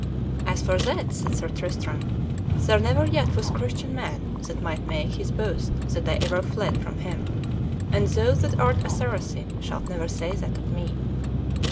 "As for that," said Sir Tristram, "there never yet was Christian man that might make his boast that I ever fled from him, and thou that art a Saracen shalt never say that of me."